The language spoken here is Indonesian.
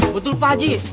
betul pak haji